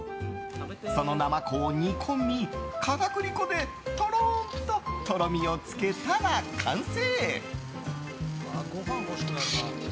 そのナマコを煮込み、片栗粉でとろんととろみをつけたら完成！